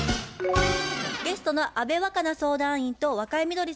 ゲストの安部若菜相談員と若井みどり